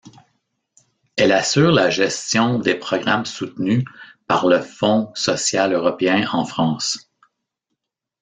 Elle assure la gestion des programmes soutenus par le Fonds social européen en France.